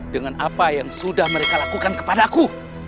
dengan apa yang sudah mereka lakukan kepada aku